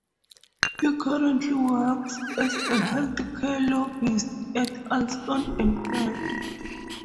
He currently works as a health care lobbyist at Alston and Bird.